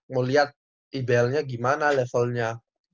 mau liat iblnya gimana levelnya